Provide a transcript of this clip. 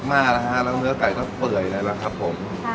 ใหญ่มากแล้วเนื้อไก่ต้องเป่วยเลยละครับผม